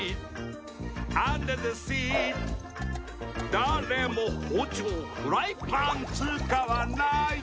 「誰も包丁・フライパン使わない」